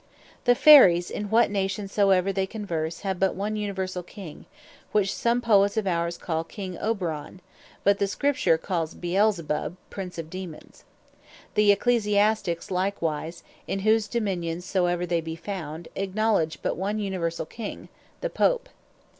The Fairies in what Nation soever they converse, have but one Universall King, which some Poets of ours call King Oberon; but the Scripture calls Beelzebub, Prince of Daemons. The Ecclesiastiques likewise, in whose Dominions soever they be found, acknowledge but one Universall King, the Pope.